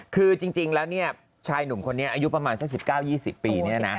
คือจริงแล้วนี้ชายหนุ่มคนนี้อายุประมาณ๙๒๐ปีนี้นะ